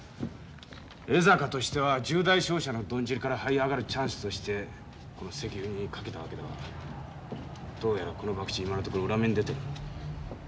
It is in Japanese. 江坂としては十大商社のどん尻からはい上がるチャンスとしてこの石油に賭けたわけだがどうやらこのばくち今のところ裏目に出てる。